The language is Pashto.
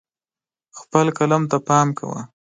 خپل قلم ته پام کوه.